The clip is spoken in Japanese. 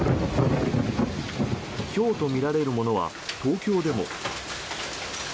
ひょうとみられるものは東京でも。